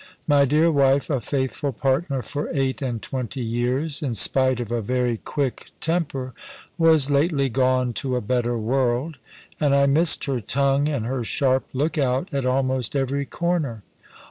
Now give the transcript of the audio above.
My dear wife (a faithful partner for eight and twenty years, in spite of a very quick temper) was lately gone to a better world; and I missed her tongue and her sharp look out at almost every corner.